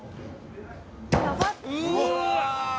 うわ！